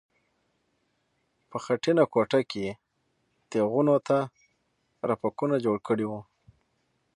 په خټینه کوټه کې یې تیغونو ته رپکونه جوړ کړي وو.